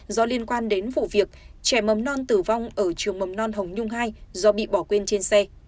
do liên quan đến vụ việc trẻ mầm non tử vong ở trường mầm non hồng nhung hai do bị bỏ quên trên xe